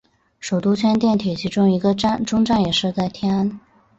首都圈电铁其中一个终站也设在天安。